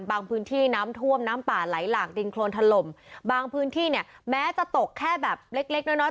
พื้นที่น้ำท่วมน้ำป่าไหลหลากดินโครนถล่มบางพื้นที่เนี่ยแม้จะตกแค่แบบเล็กเล็กน้อยน้อย